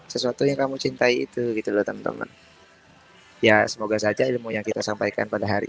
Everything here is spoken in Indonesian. sesuatu yang kamu cintai itu gitu loh teman teman ya semoga saja ilmu yang kita sampaikan pada hari